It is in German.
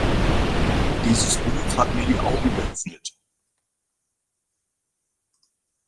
Dieses Buch hat mir die Augen geöffnet.